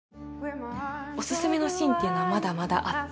オススメのシーンっていうのはまだまだあって。